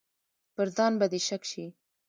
پر ځان به دې شک شي.